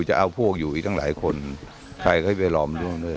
จะเอาพวกอยู่อีกตั้งหลายคนใครก็ไปรอมด้วงด้วย